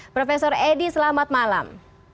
prof edy selamat malam